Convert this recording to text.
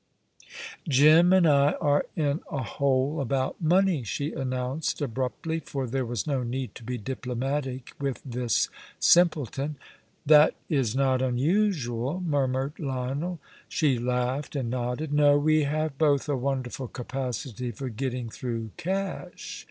"Jim and I are in a hole about money," she announced abruptly, for there was no need to be diplomatic with this simpleton. "That is not unusual," murmured Lionel. She laughed and nodded. "No. We have both a wonderful capacity for getting through cash.